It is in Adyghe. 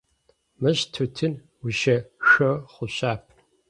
Мыщ тутын ущешъо хъущэп.